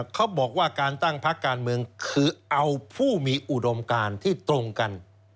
เขาบอกว่าการตั้งพักการเมืองคือเอาผู้มีอุดมการที่ตรงกัน